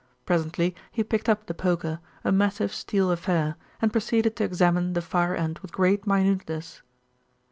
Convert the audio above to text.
Presently he picked up the poker, a massive steel affair, and proceeded to examine the fire end with great minuteness.